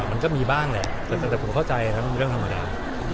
มันก็มีบ้างแหละแต่ผมเข้าใจนะมันเป็นเรื่องธรรมดา